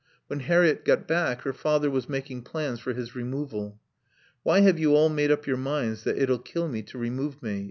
When Harriett got back her father was making plans for his removal. "Why have you all made up your minds that it'll kill me to remove me?